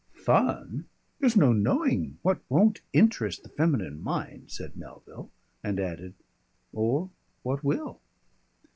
"Fun!" "There's no knowing what won't interest the feminine mind," said Melville, and added, "or what will."